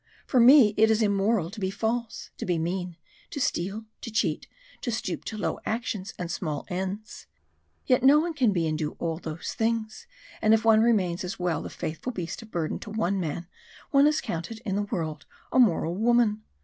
For me it is immoral to be false, to be mean, to steal, to cheat, to stoop to low actions and small ends. Yet one can be and do all those things, and if one remains as well the faithful beast of burden to one man, one is counted in the world a moral woman!